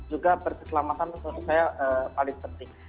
juga berkeselamatan menurut saya paling penting